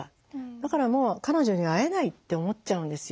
だからもう彼女には会えないって思っちゃうんですよ。